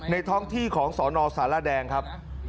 ท้องที่ของสนสารแดงครับ